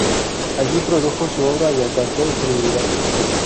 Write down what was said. Allí produjo su obra y alcanzó celebridad.